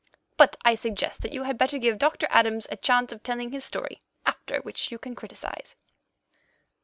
But I suggest that you had better give Doctor Adams a chance of telling his story, after which you can criticize."